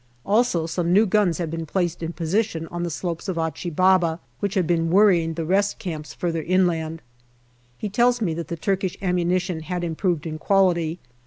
Also some new guns have been placed in position on the slopes of Achi Baba, which have been worrying the rest camps further inland. He tells me that the Turkish ammunition had improved in quality.